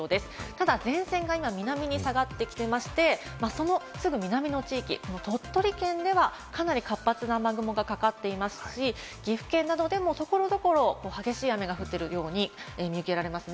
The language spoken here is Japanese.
ただ前線が今、南に下がってきていまして、そのすぐ南の地域、鳥取県ではかなり活発な雨雲がかかっていますし、岐阜県などでも所々、激しい雨が降っているように見受けられますね。